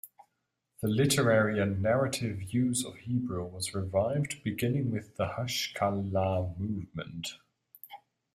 The literary and narrative use of Hebrew was revived beginning with the Haskalah movement.